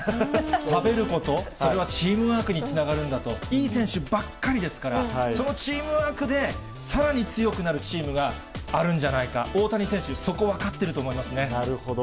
食べること、それはチームワークにつながるんだと、いい選手ばっかりですから、そのチームワークで、さらに強くなるチームがあるんじゃないか、大谷選手、そこ、なるほど。